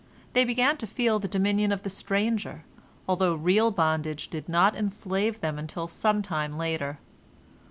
They began to feel the dominion of the stranger, although real bondage did not enslave them until some time later.